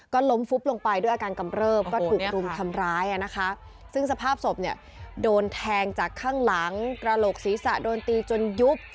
ก็ล้มฟุบลงไปด้วยอาการกำเริบก็ถูกรุมทำร้ายอ่ะนะคะซึ่งสภาพศพเนี่ยโดนแทงจากข้างหลังกระโหลกศีรษะโดนตีจนยุบ